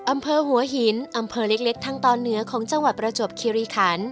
อำเภอหัวหินอำเภอเล็กทางตอนเหนือของจังหวัดประจวบคิริขัน